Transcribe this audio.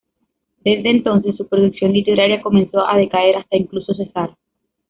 Desde entonces, su producción literaria comenzó a decaer, hasta incluso cesar.